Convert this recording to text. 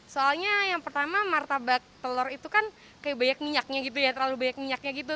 soalnya yang pertama martabak telur itu kan kayak banyak minyaknya gitu ya terlalu banyak minyaknya gitu